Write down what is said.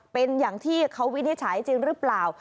เป็นอย่างที่เขาวินิจฉัยจริงหรือเปล่า